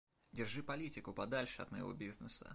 Держи политику подальше от моего бизнеса.